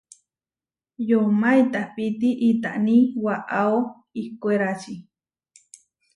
Yomá itahtápi itáni waʼáo ihkwérači.